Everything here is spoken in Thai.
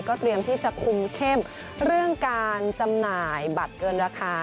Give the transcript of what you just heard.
เตรียมที่จะคุมเข้มเรื่องการจำหน่ายบัตรเกินราคา